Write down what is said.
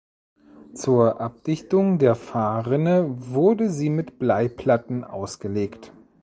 Zur Abdichtung der Fahrrinne wurde sie mit Bleiplatten ausgelegt.